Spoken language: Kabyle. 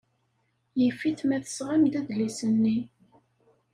Yif-it ma tesɣam-d adlis-nni.